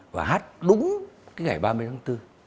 và hát đúng cái ngày ba mươi tháng bốn